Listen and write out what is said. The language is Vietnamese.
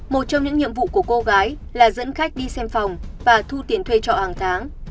một trong những nhiệm vụ của cô gái là dẫn khách đi xem phòng và thu tiền thuê trọ hàng tháng